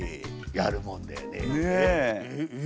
やるもんだよね。